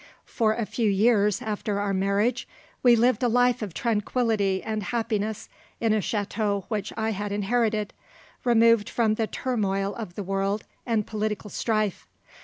For a few years after our marriage we lived a life of tranquillity and happiness in a chateau which I had inherited, removed from the turmoil of the world and political strife.